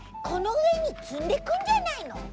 このうえにつんでくんじゃないの？